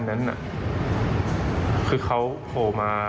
ใช่เขาจิ้มมา